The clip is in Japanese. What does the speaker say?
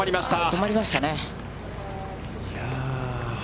止まりましたね。